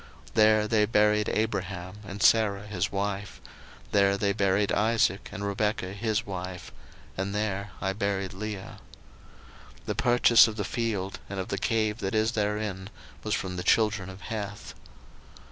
01:049:031 There they buried Abraham and Sarah his wife; there they buried Isaac and Rebekah his wife; and there I buried Leah. 01:049:032 The purchase of the field and of the cave that is therein was from the children of Heth.